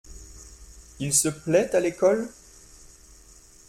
Il se plait à l’école ?